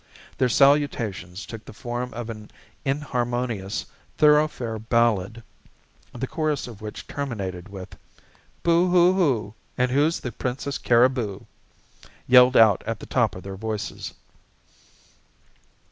Their salutations took the form of an inharmonious thoroughfare ballad, the chorus of which terminated with: "Boo! hoo! hoo! And who's the Princess Cariboo?" yelled out at the top of their voices.